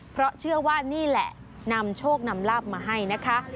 เพราะเชื่อว่านี่แหละนำโชคนำลาบมาให้นะคะ